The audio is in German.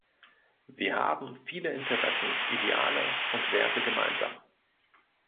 Wir haben viele Interessen, Ideale und Werte gemeinsam.